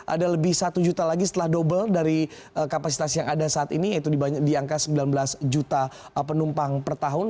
ada lebih satu juta lagi setelah double dari kapasitas yang ada saat ini yaitu di angka sembilan belas juta penumpang per tahun